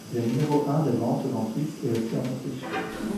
Il est numéro un des ventes en Suisse et aussi en Autriche.